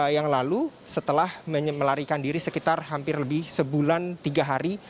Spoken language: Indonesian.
yang lalu setelah melarikan diri sekitar hampir lebih sebulan tiga hari